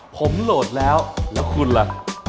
ผมโหลดแล้วแล้วคุณล่ะ